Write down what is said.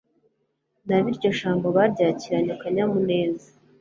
Nabo iryo jambo baryakiranye akanyamuneza